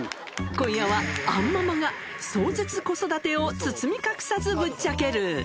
今夜は、杏ママが壮絶子育てを包み隠さずぶっちゃける。